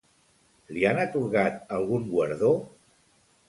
Li han atorgat algun guardó?